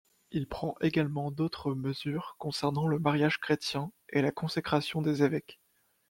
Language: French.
Il prend également d'autres mesures concernant le mariage chrétien et la consécration des évêques.